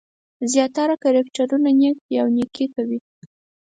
زیاتره کرکټرونه نېک دي او نېکي کوي.